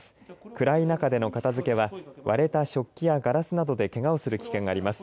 暗い中での片付けは割れた食器やガラスなどでけがをするおそれがいます。